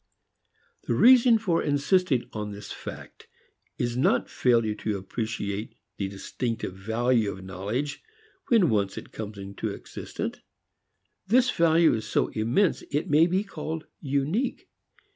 The reason for insisting on this fact is not failure to appreciate the distinctive value of knowledge when once it comes into existence. This value is so immense it may be called unique.